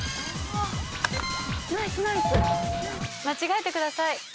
間違えてください。